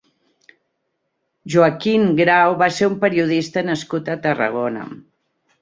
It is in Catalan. Joaquín Grau va ser un periodista nascut a Tarragona.